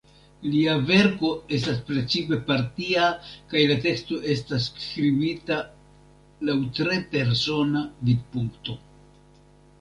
Lia verko estas precipe partia, kaj la teksto estas skribita laŭ tre persona vidpunkto.